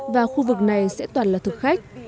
và khu vực này sẽ toàn là thực khách